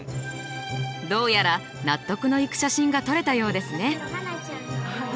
どうやら納得のいく写真が撮れたようですね。